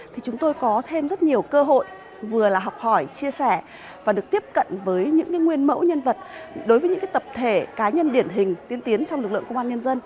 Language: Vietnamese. thì chúng tôi có thêm rất nhiều cơ hội vừa là học hỏi chia sẻ và được tiếp cận với những nguyên mẫu nhân vật đối với những tập thể cá nhân điển hình tiên tiến trong lực lượng công an nhân dân